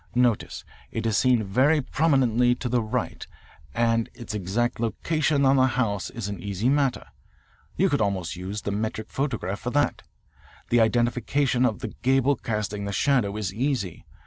"Notice. It is seen very prominently to the right, and its exact location on the house is an easy matter. You could almost use the metric photograph for that. The identification of the gable casting the shadow is easy.